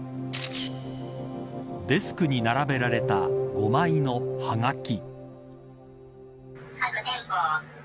デスクに並べられた５枚のはがき。